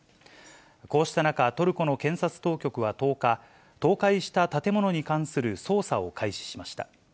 こうした中、トルコの検察当局は１０日、倒壊した建物に関する捜査を開始しました。